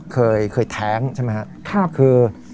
เคยแท้งใช่ไหมครับคือ